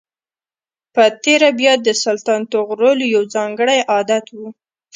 په تېره بیا د سلطان طغرل یو ځانګړی عادت و.